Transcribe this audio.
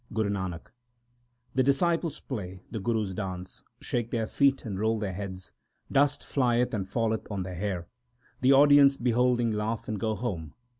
Guru Nanak The disciples play, the gurus dance, Shake their feet, and roll their heads. Dust flieth and falleth on their hair ; 1 The audience beholding laugh and go home.